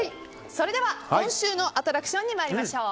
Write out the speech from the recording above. それでは今週のアトラクションに参りましょう。